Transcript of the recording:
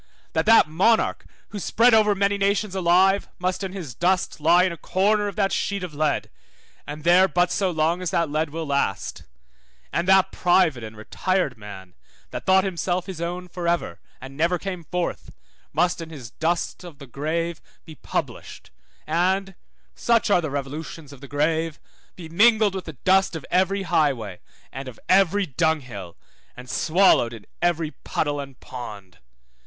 That that monarch, who spread over many nations alive, must in his dust lie in a corner of that sheet of lead, and there but so long as that lead will last; and that private and retired man, that thought himself his own for ever, and never came forth, must in his dust of the grave be published, and (such are the revolutions of the grave) be mingled with the dust of every highway and of every dunghill, and swallowed in every puddle and pond.